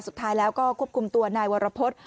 สุดท้ายแล้วก็ควบคุมตัวนายวรพฤษ